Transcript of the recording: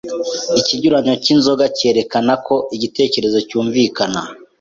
ikinyuranyo cy'inzoga cyerekana ko igitekerezo cyumvikana